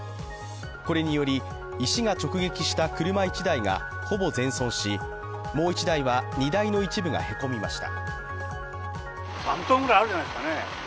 これにより石が直撃した車１台がほぼ全損し、もう１台は荷台の一部がへこみました。